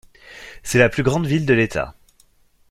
C'est la plus grande ville de l'État.